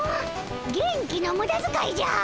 元気のムダづかいじゃ！